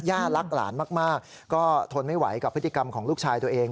รักหลานมากก็ทนไม่ไหวกับพฤติกรรมของลูกชายตัวเอง